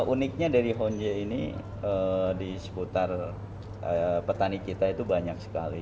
uniknya dari honje ini di seputar petani kita itu banyak sekali